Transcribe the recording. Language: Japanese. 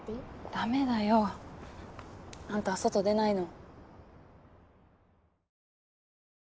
ダメだよ。あんたは外出ないの！